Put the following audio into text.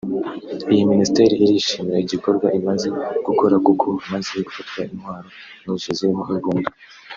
Iyi Minisiteri irishimira igikorwa imaze gukora kuko hamaze gufatwa intwaro nyinshi zirimo imbunda